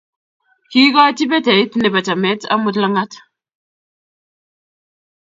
Kiikochi peteit nebo chamet amut langat